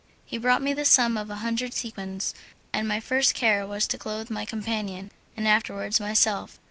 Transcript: He brought me the sum of a hundred sequins, and my first care was to clothe my companion, and afterwards myself.